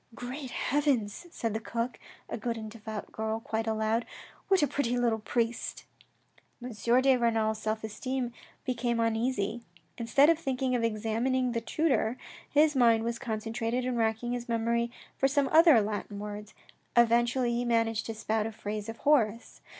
" Great heavens! " said the cook, a good and devout girl, quite aloud, "what a pretty little priest !" M. de Renal's self esteem became uneasy. Instead of thinking of examining the tutor, his mind was concentrated in racking his memory for some other Latin words. Eventully he managed to spout a phrase of Horace.